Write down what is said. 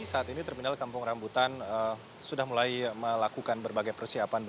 saat ini terminal kampung rambutan sudah mulai melakukan berbagai persiapan